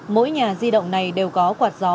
mỗi nhà di động này đều có quạt gió